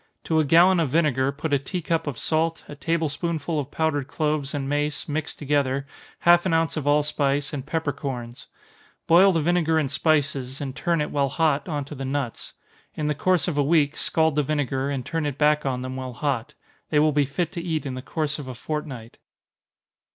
To a gallon of vinegar put a tea cup of salt, a table spoonful of powdered cloves and mace, mixed together, half an ounce of allspice, and peppercorns. Boil the vinegar and spices, and turn it while hot on to the nuts. In the course of a week, scald the vinegar, and turn it back on them while hot. They will be fit to eat in the course of a fortnight.